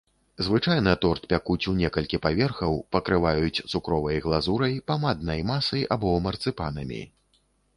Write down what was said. Звычайна торт пякуць ў некалькі паверхаў, пакрываюць цукровай глазурай, памаднай масай або марцыпанамі.